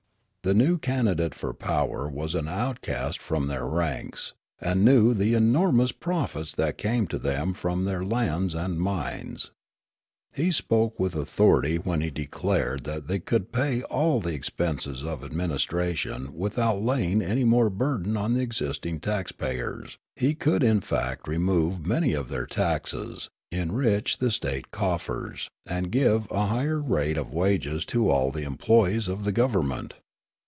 The new candidate for power was an outcast from their ranks, and knew the enormous profits that came to them from their lands and mines. He spoke with authority when he declared that he could pay all the expenses of administration without laying any more burden on the existing taxpayers ; he could in fact remove many of their taxes, enrich the state coffers, and give a higher rate of wages to all the employees of the government.